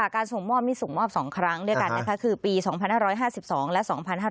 การส่งมอบนี่ส่งมอบ๒ครั้งด้วยกันนะคะคือปี๒๕๕๒และ๒๕๕๙